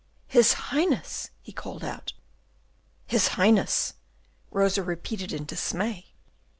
"His Highness!" he called out. "His Highness!" Rosa repeated in dismay.